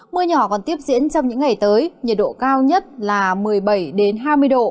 mưa nhỏ còn tiếp diễn trong những ngày tới nhiệt độ cao nhất là một mươi bảy hai mươi độ